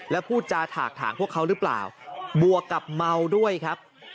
แล้วพูดจาถากถางพวกเขาหรือเปล่าบวกกับเมาด้วยครับ